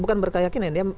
bukan berkeyakinan ya